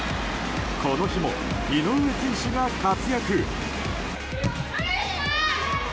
この日も井上選手が活躍。